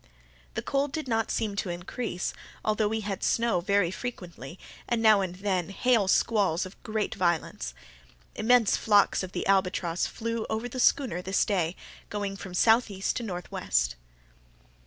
The cold did not seem to increase, although we had snow very frequently, and now and then hail squalls of great violence. Immense flocks of the albatross flew over the schooner this day, going from southeast to northwest.